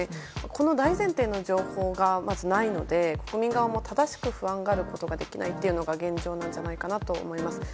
この大前提の情報がまずないので国民側も正しく不安がることができないというのが現状なんじゃないかなと思います。